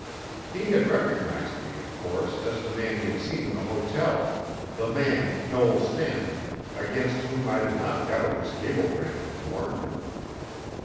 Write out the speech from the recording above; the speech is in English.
He had recognised me, of course, as the man he had seen in the hotel the man, Noel Stanton, against whom I did not doubt his cablegram had warned him.